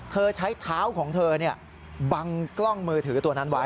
เธอใช้เท้าของเธอบังกล้องมือถือตัวนั้นไว้